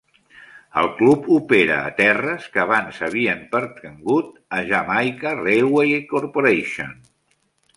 El club opera a terres que abans havien pertangut a Jamaica Railway Corporation.